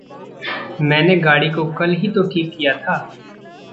मैंने गाड़ी को कल ही तो ठीक किया था!